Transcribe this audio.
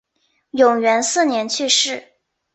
永元四年去世。